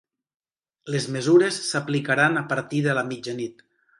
Les mesures s’aplicaran a partir de la mitjanit.